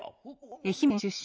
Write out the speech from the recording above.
愛媛県出身。